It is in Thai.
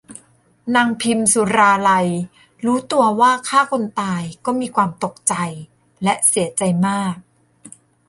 นางพิมสุราลัยรู้ตัวว่าฆ่าคนตายก็มีความตกใจและเสียใจมาก